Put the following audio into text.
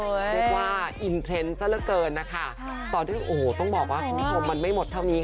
เรียกว่าอินเทรนด์ซะละเกินนะคะต่อด้วยโอ้โหต้องบอกว่าคุณผู้ชมมันไม่หมดเท่านี้